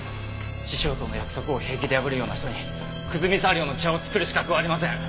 師匠との約束を平気で破るような人に久住茶寮の茶を作る資格はありません！